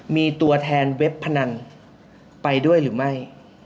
มีตัวแทนเว็บพนันไปด้วยหรือไม่